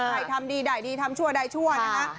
ทำดีได้ดีทำชั่วใดชั่วนะคะ